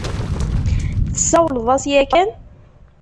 Tessawleḍ-as yakan?